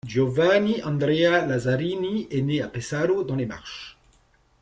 Giovanni Andrea Lazzarini est né à Pesaro dans les Marches.